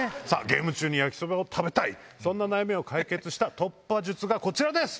ゲーム中に焼きそばを食べたいそんな悩みを解決した突破術がこちらです！